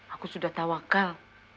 aku sudah tawakal